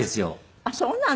あっそうなの。